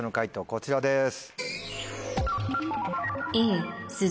こちらです。